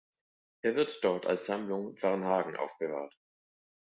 Er wird dort als Sammlung Varnhagen aufbewahrt.